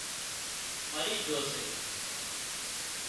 مرِي جھو سي